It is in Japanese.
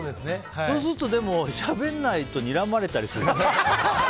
そうすると、しゃべらないとにらまれたりするじゃん。